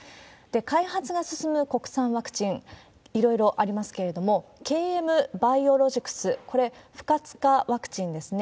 開発の進む国産ワクチン、いろいろありますけれども、ＫＭバイオロジクス、これ、不活化ワクチンですね。